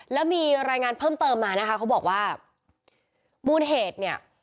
แล้วมีรายงานเพิ่มเติมมานะคะเขาบอกว่ามูลเหตุเนี่ย